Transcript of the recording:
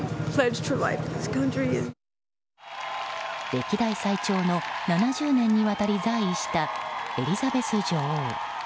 歴代最長の７０年にわたり在位したエリザベス女王。